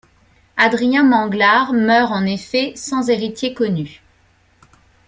Adrien Manglard meurt en effet sans héritier connu.